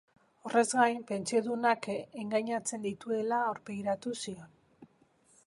Horrez gain, pentsiodunak engainatzen dituela aurpegiratu zion.